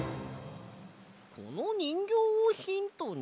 このにんぎょうをヒントに？